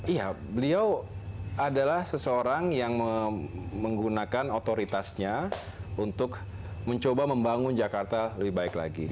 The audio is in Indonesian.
iya beliau adalah seseorang yang menggunakan otoritasnya untuk mencoba membangun jakarta lebih baik lagi